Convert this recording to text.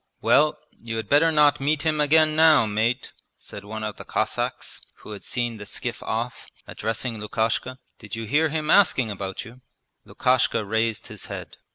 'Well, you had better not meet him again now, mate!' said one of the Cossacks who had seen the skiff off, addressing Lukashka. 'Did you hear him asking about you?' Lukashka raised his head.